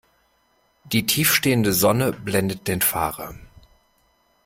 Die tief stehende Sonne blendet den Fahrer.